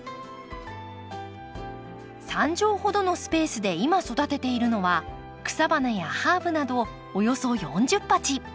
３畳ほどのスペースで今育てているのは草花やハーブなどおよそ４０鉢。